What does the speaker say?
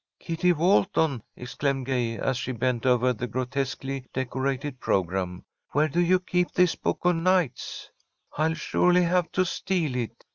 "Kitty Walton," exclaimed Gay, as she bent over the grotesquely decorated programme, "where do you keep this book o' nights? I'll surely have to steal it.